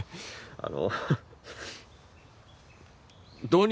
あの。